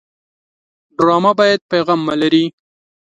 ډرامه باید پیغام ولري